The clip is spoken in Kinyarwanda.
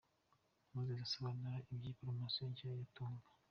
Moses asobanura iby'iyi poromosiyo nshya ya Tunga.